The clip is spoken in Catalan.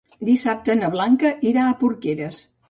Dissabte na Blanca irà a Porqueres.